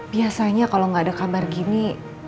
biasanya kalau nggak ada kabar gini